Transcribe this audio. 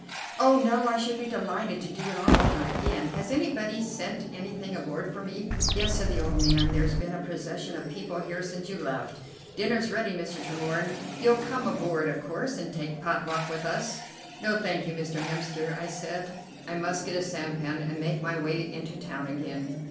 "Oh, no! I should be delighted to do it all over again! Has anybody sent anything aboard for me?" "Yes," said the old man, "there's been a procession of people here since you left. Dinner's ready, Mr. Tremorne. You'll come aboard, of course, and take pot luck with us?" "No, thank you, Mr. Hemster," I said; "I must get a sampan and make my way into town again."